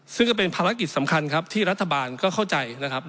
ซึ่งก็เป็นภารกิจสำคัญครับที่รัฐบาลก็เข้าใจนะครับ